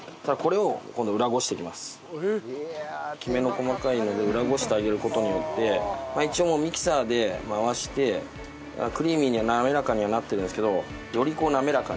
きめの細かいので裏ごしてあげる事によって一応もうミキサーで回してクリーミーには滑らかにはなってるんですけどよりこう滑らかに。